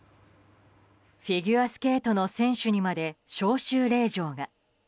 フィギュアスケートの選手にまで招集令状が。